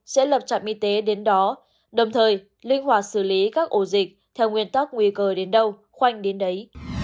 sẽ lập trạm y tế đến đó đồng thời linh hoạt xử lý các ổ dịch theo nguyên tắc nguy cơ đến đâu khoanh đến đấy